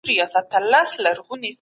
ښېرا کوي اثر خو خوږمن زړه به يي وي شاته